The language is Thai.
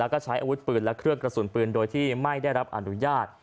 แล้วก็ใช้อาวุธปืนและเครื่องกระสุนปืนโดยที่ไม่ได้รับอนุญาต